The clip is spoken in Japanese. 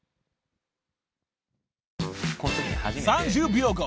［３０秒後。